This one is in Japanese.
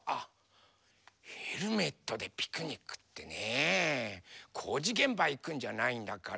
ヘルメットでピクニックってねこうじげんばいくんじゃないんだから。